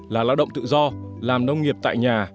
là lao động tự do làm nông nghiệp tại nhà